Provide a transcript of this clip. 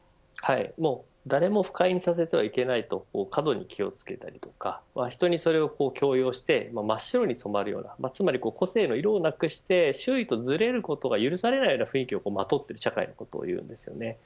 誰も不快にさせてはいけないと過度に気をつけたりとか人にそれを強要して真っ白に染まるようなつまり個性の色をなくして周囲とずれることを許されないような雰囲気をまとっている社会のことをいいます。